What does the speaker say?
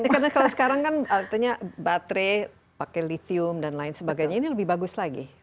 karena sekarang kan artinya baterai pakai lithium dan lain sebagainya ini lebih bagus lagi